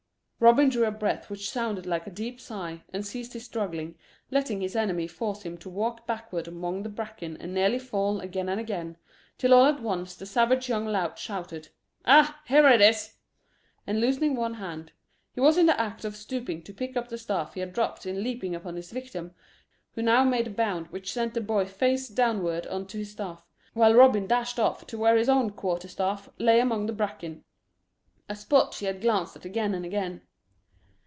Robin drew a breath which sounded like a deep sigh, and ceased his struggling, letting his enemy force him to walk backward among the bracken and nearly fall again and again, till all at once the savage young lout shouted: "Ah, here it is'" and loosening one hand, he was in the act of stooping to pick up the staff he had dropped in leaping upon his victim, who now made a bound which sent the boy face downward on to his staff, while Robin dashed off to where his own quarter staff lay among the bracken a spot he had glanced at again and again.